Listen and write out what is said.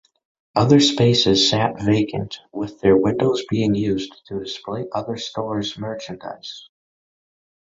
Other spaces sat vacant, with their windows being used to display other stores' merchandise.